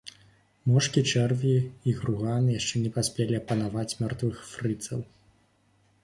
Мошкі, чэрві і груганы яшчэ не паспелі апанаваць мёртвых фрыцаў.